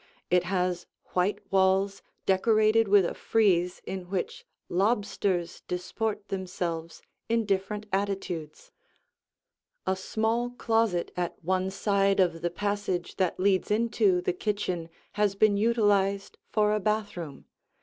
It has white walls decorated with a frieze in which lobsters disport themselves in different attitudes. A small closet at one side of the passage that leads into the kitchen has been utilized for a bathroom.